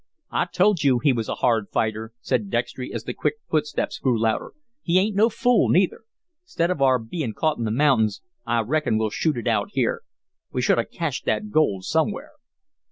"I told you he was a hard fighter," said Dextry, as the quick footsteps grew louder. "He ain't no fool neither. 'Stead of our bein' caught in the mountains, I reckon we'll shoot it out here. We should have cached that gold somewhere."